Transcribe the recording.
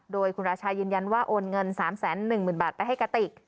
โดยคุณราชายืนยันว่าโอนเงิน๓๑๐๐๐บาทไปให้กติก